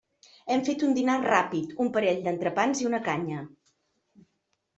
Hem fet un dinar ràpid; un parell d'entrepans i una canya.